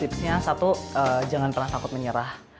tipsnya satu jangan pernah takut menyerah